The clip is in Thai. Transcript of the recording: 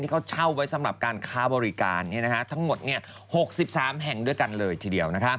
เขาเช่าไว้สำหรับการค้าบริการทั้งหมด๖๓แห่งด้วยกันเลยทีเดียว